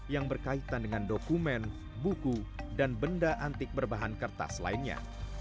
yang berkaitan dengan dokumen buku dan benda antik berbahan kertas lainnya